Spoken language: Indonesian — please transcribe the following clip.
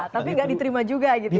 tapi nggak diterima juga gitu ya